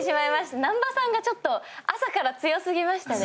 南波さんがちょっと朝から強すぎましたね。